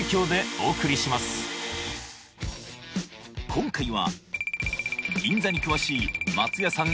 今回は銀座に詳しい松也さん